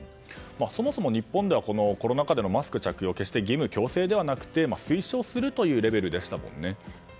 そもそも日本ではコロナ禍でのマスク着用は決して義務・強制ではなくて推奨するというレベルでしたもんね。